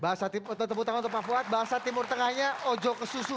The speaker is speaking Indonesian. bahasa tepuk tangan untuk pak fuad bahasa timur tengahnya ojo ke susu